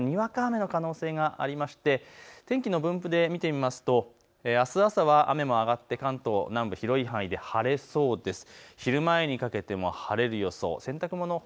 ただにわか雨の可能性もあって天気の分布で見てみると、あす朝は雨も上がって関東南部広い範囲で晴れそうです。